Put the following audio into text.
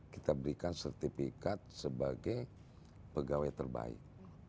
kita berikan sertifikat sebagai pegawai terbaik